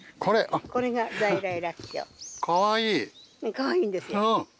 かわいいんですよ。